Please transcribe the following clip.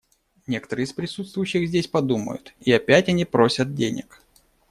Некоторые из присутствующих здесь подумают: «И опять они просят денег».